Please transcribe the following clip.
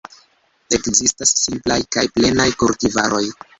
Ekzistas simplaj kaj plenaj kultivaroj.